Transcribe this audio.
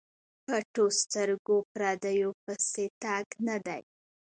پټو سترګو پردیو پسې تګ نه دی.